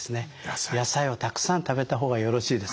野菜をたくさん食べた方がよろしいですね。